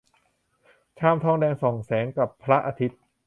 ชามทองแดงส่องแสงกับพระอาทิตย์